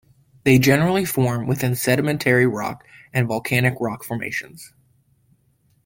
They generally form within sedimentary rock and volcanic rock formations.